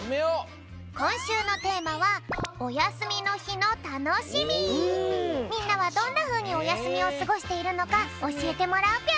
こんしゅうのテーマはみんなはどんなふうにおやすみをすごしているのかおしえてもらうぴょん。